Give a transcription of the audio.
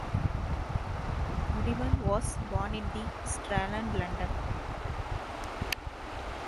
Muddiman was born in the Strand, London.